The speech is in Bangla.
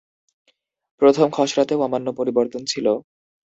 প্রথম খসড়াতেও অন্যান্য পরিবর্তন ছিল।